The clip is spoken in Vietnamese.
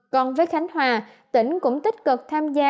còn với khánh hòa tỉnh cũng tích cực tham gia